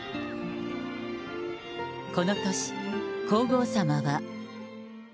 この年、皇后さまは。